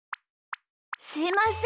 すいません。